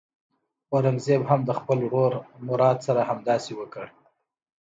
اورنګزېب هم د خپل ورور مراد سره همداسې وکړ.